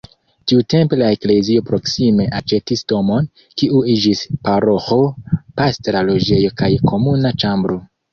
Tiutempe la eklezio proksime aĉetis domon, kiu iĝis paroĥo, pastra loĝejo kaj komuna ĉambro.